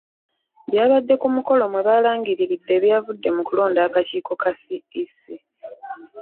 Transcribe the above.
Byabadde ku mukolo mwe balangiriridde ebyavudde mu kulonda akakiiko ka CEC.